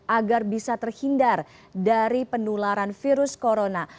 agar bisa terhindar dari penularan virus corona